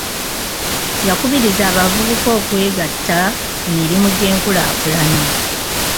Yakubiriza abavubuka okwegatta ku mirimu gy'enkulaakulana.